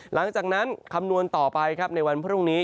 หลังจากนั้นขำนวณต่อไปในวันพบฤติกรุ่งนี้